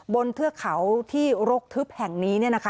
เทือกเขาที่รกทึบแห่งนี้